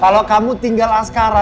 kalau kamu tinggal askara